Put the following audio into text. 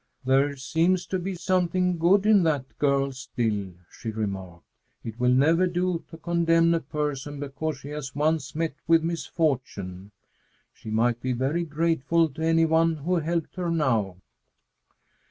"There seems to be something good in that girl still," she remarked. "It will never do to condemn a person because she has once met with misfortune. She might be very grateful to any one who helped her now."